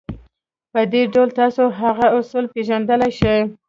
په دې ډول تاسې هغه اصول پېژندلای شئ.